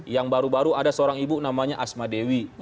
yang baru baru ada seorang ibu namanya asma dewi